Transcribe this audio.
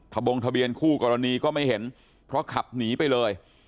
บงทะเบียนคู่กรณีก็ไม่เห็นเพราะขับหนีไปเลย